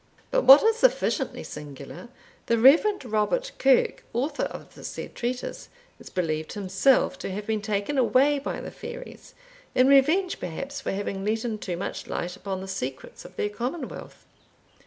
But what is sufficiently singular, the Rev. Robert Kirke, author of the said treatise, is believed himself to have been taken away by the fairies, in revenge, perhaps, for having let in too much light upon the secrets of their commonwealth.